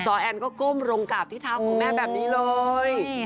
แอนก็ก้มลงกราบที่เท้าของแม่แบบนี้เลย